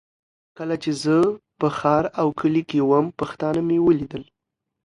کله چي زه په کلي کي وم، پښتانه مي ولیدل.